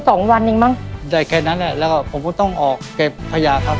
สองวันเองมั้งได้แค่นั้นแหละแล้วก็ผมก็ต้องออกเก็บขยะครับ